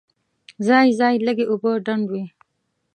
ځای ځای لږې اوبه ډنډ وې.